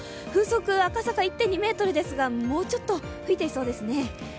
風速、赤坂１．２ｍですが、もうちょっと吹いてそうですね。